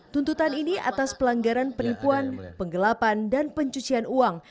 tuntutan ini atas pelanggaran penipuan penggelapan dan pencucian uang